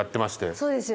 そうですよね。